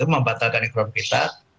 membatalkan ikhram kita